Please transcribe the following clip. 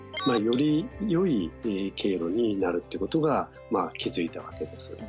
よりよい経路になるってことが気付いたわけです。